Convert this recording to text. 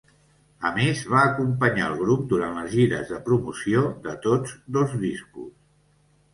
A més, va acompanyar el grup durant les gires de promoció de tots dos discos.